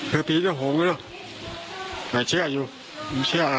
เธอผีเจ้าหงกันเนอะแต่เชื่ออยู่ผมเชื่อครับ